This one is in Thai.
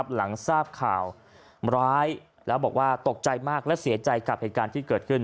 หลังทราบข่าวร้ายแล้วบอกว่าตกใจมากและเสียใจกับเหตุการณ์ที่เกิดขึ้น